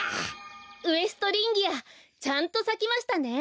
ウエストリンギアちゃんとさきましたね。